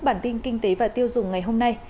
bản tin kinh tế và tiêu dùng ngày hôm nay